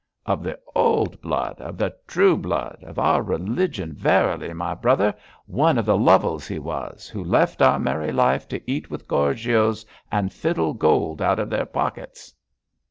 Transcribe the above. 'Of the old blood, of the true blood, of our religion verily, my brother. One of the Lovels he was, who left our merry life to eat with Gorgios and fiddle gold out of their pockets.'